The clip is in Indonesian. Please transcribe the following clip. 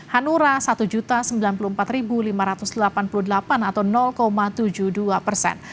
hanura satu sembilan puluh empat lima ratus delapan puluh delapan atau tujuh puluh dua persen